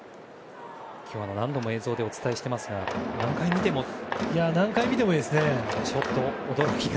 今日、何度も映像でお伝えしていますが何回見てもちょっと驚きが。